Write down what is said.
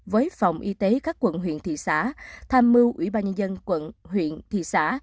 với phòng y tế các quận huyện thị xã tham mưu ủy ban nhân dân quận huyện thị xã